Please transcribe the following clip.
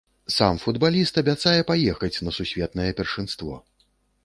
Сам футбаліст абяцае паехаць на сусветнае першынство.